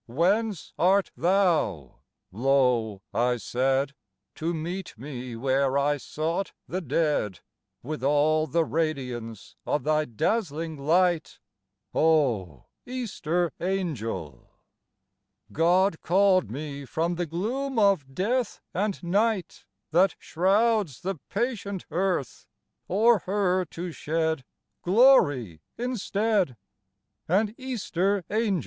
"Whence art thou," low I said, " To meet me where I sought the dead, With all the radiance of thy dazzling light, O Easter angel ?"" God called me from the gloom of death and nisdit That shrouds the patient earth, o'er her to shed Glory instead, — An Easter angel